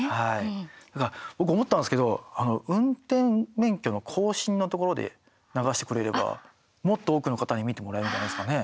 僕、思ったんですけど運転免許の更新のところで流してくれればもっと多くの方に見てもらえるんじゃないですかね